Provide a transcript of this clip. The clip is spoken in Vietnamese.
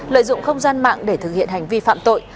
lợi dụng không gian mạng để thực hiện hành vi phạm tội